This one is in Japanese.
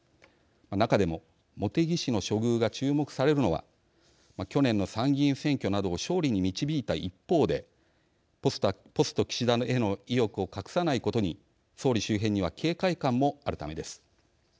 中でも、茂木氏の処遇が注目されるのは去年の参議院選挙などを勝利に導いた一方でポスト岸田への意欲を隠さないことに、総理周辺には警戒感もあるためです。